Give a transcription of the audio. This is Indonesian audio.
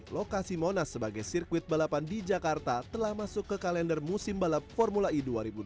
lokasi monas sebagai sirkuit balapan di jakarta telah masuk ke kalender musim balap formula e dua ribu dua puluh